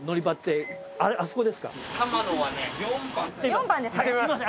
４番ですね。